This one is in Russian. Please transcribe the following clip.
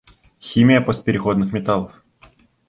Химия постпереходных металлов.